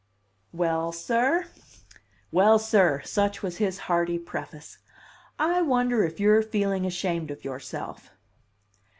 "Well, sir! Well, sir!" such was his hearty preface. "I wonder if you're feeling ashamed of yourself?"